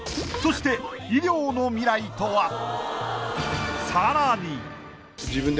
そして医療の未来とは？